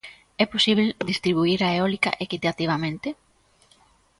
É posíbel distribuír a eólica equitativamente?